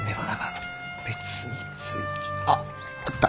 あっあった。